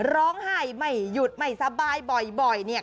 ร้องไห้ไม่หยุดไม่สบายบ่อยเนี่ย